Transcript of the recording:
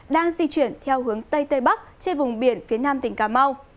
đang di chuyển theo hướng tây tây bắc trên vùng biển phía nam tỉnh cà mau